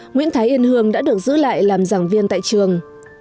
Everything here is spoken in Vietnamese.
nguyễn thái yên hương đã được giữ lại làm giảng viên tại trường